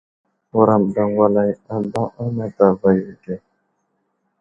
Wuram daŋgwalay ada a matavo yo age.